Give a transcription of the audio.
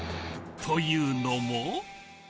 というのも。